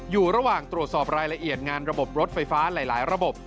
อยู่ระหว่างตรวจสอบรายละเอียดงานระบบรถไฟฟ้าหลายระบบ